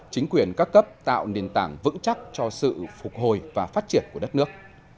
chính quyền các cấp tạo nền tảng vững chắc cho sự phục hồi và phát triển của đất nước